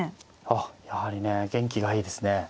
あっやはりね元気がいいですね。